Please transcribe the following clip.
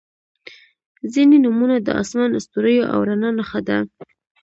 • ځینې نومونه د آسمان، ستوریو او رڼا نښه ده.